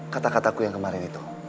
kata kataku yang kemarin itu